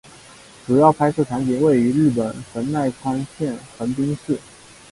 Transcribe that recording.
主要拍摄场景位于日本神奈川县横滨市。